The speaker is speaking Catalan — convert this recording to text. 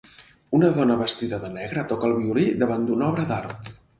Una dona vestida de negre toca el violí davant d"una obra d"art.